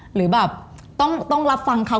หรือแบบต้องรับฟังเขา